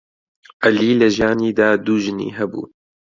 عەلی لە ژیانیدا دوو ژنی هەبوو.